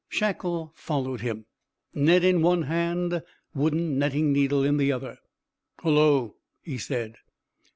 Shackle followed him, net in one hand, wooden netting needle in the other. "Hullo!" he said.